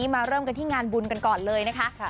มาเริ่มกันที่งานบุญกันก่อนเลยนะคะ